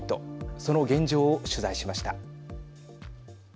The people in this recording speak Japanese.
その現状を取材しました。